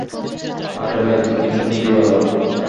আরে ভাই, তুমি সত্যিই ভাল!